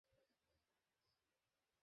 Nisar Ali rickshaw থেকে নেমে পড়লেন।